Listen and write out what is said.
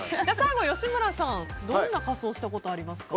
吉村さんはどんな仮装したことありますか？